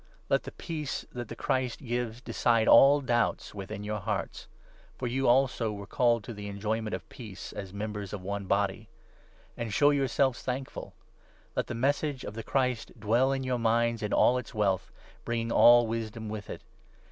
Let the 15 Peace that the Christ gives decide all doubts within your hearts ; for you also were called to the enjoyment of peace as members of one Body. And show yourselves thankful. Let the Message 16 of the Christ dwell in your minds in all its wealth, bringing all wisdom with it.